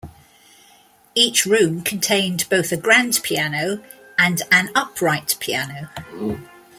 Each room contained both a grand piano and an upright piano.